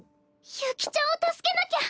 悠希ちゃんを助けなきゃ！